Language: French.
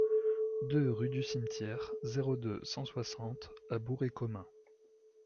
deux rue du Cimetière, zéro deux, cent soixante à Bourg-et-Comin